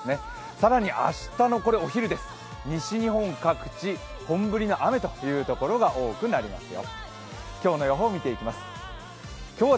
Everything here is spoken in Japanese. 更に、明日のお昼です、西日本各地本降りの雨という所が多くなりますよ。